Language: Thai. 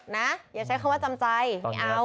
อย่าใช้คำว่าจำใจไม่เอา